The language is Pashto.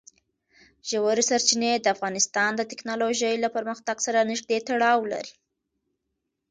ژورې سرچینې د افغانستان د تکنالوژۍ له پرمختګ سره نږدې تړاو لري.